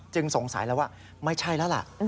สงสัยแล้วว่าไม่ใช่แล้วล่ะ